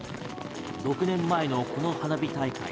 ６年前のこの花火大会。